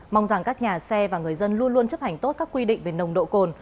mong rằng các nhà xe và người dân luôn luôn chấp hành tốt các quy định về nồng độ cồn